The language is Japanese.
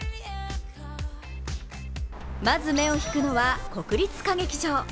まず目を引くのは国立歌劇場。